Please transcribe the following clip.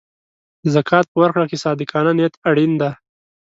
د زکات په ورکړه کې صادقانه نیت اړین دی.